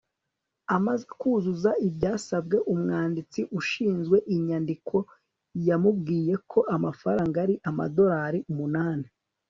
Amaze kuzuza ibyasabwe umwanditsi ushinzwe inyandiko yamubwiye ko amafaranga ari amadorari umunani